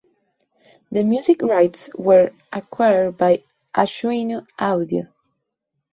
The music rights were acquired by Ashwini Audio.